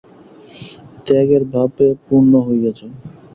ত্যাগের ভাবে পূর্ণ হইয়া যাও।